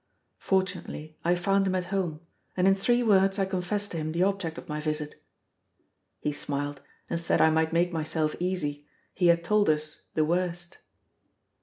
Fortunately, I found him at home, and in three words I confessed to him the object of my visit. He smiled, and said I might make myself easy; he had told us the worst.